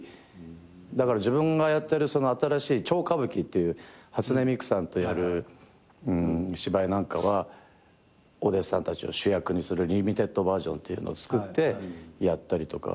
だから自分がやってる新しい超歌舞伎っていう初音ミクさんとやる芝居なんかはお弟子さんたちを主役にするリミテッドバージョンっていうのをつくってやったりとかして。